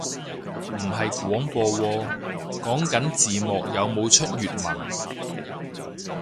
唔係廣播喎，講緊字幕有冇出粵文